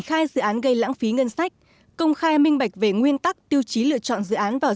khai dự án gây lãng phí ngân sách công khai minh bạch về nguyên tắc tiêu chí lựa chọn dự án vào